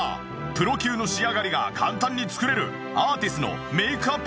プロ級の仕上がりが簡単に作れるアーティスのメイクアップ